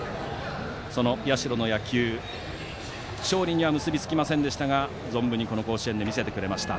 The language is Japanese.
その社の野球、勝利には結びつきませんでしたが存分にこの甲子園で見せてくれました。